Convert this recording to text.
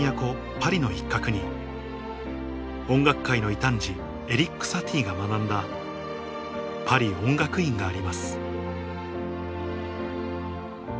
パリの一角に音楽界の異端児エリック・サティが学んだパリ音楽院があります